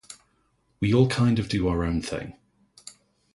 We all kind of do our own thing.